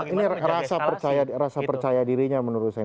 ini rasa percaya dirinya menurut saya